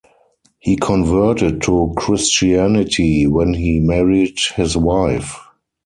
He converted to Christianity when he married his wife.